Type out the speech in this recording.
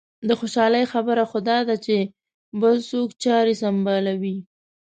د خوشالۍ خبره خو دا ده چې بل څوک چارې سنبالوي.